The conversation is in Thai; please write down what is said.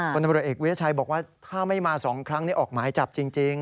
บรรณบริเวศชัยบอกว่าถ้าไม่มา๒ครั้งนี้ออกหมายจับจริง